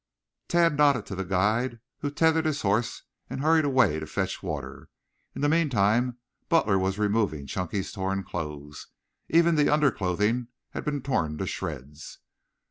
Tad nodded to the guide, who tethered his horse and hurried away to fetch water. In the meantime Butler was removing Chunky's torn clothes. Even the underclothing had been torn to shreds.